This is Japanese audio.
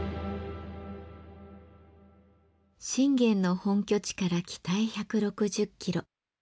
信玄の本拠地から北へ１６０キロ。